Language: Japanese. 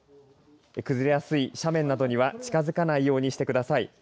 崩れやすい斜面などには近づかないようにしてください。